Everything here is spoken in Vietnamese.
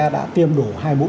đã tiêm đủ hai mũi